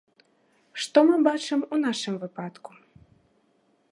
Што мы бачым у нашым выпадку?